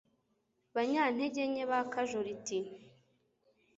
banyantegenke ba kajoriti